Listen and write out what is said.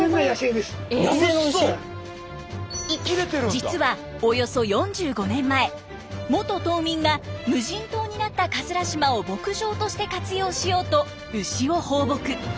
実はおよそ４５年前元島民が無人島になった島を牧場として活用しようと牛を放牧。